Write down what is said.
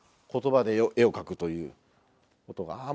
言葉で絵を描くということが。